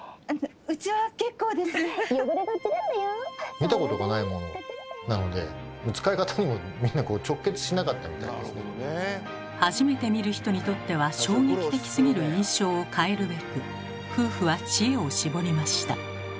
見たことがないものなので初めて見る人にとっては衝撃的すぎる印象を変えるべく夫婦は知恵を絞りました。